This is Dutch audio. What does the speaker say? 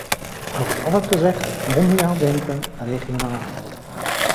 Er wordt altijd gezegd: mondiaal denken, regionaal handelen.